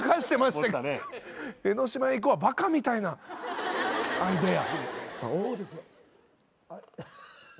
「江の島へ行こう」はバカみたいなアイデア。